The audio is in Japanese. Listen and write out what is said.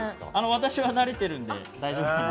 私は慣れているので大丈夫。